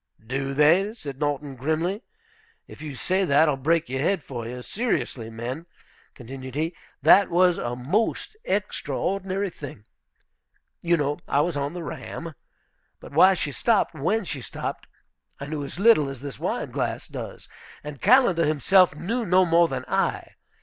"Do they?" said Norton, grimly. "If you say that, I'll break your head for you. Seriously, men," continued he, "that was a most extraordinary thing. You know I was on the Ram. But why she stopped when she stopped I knew as little as this wineglass does; and Callender himself knew no more than I.